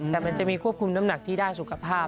แต่มันจะมีควบคุมน้ำหนักที่ด้านสุขภาพ